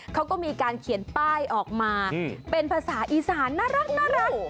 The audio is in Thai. เขาก็มีการเขียนป้ายออกมาเป็นภาษาอีสานน่ารัก